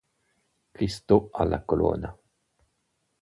Cristo alla colonna